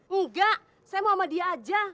enggak saya mau sama dia aja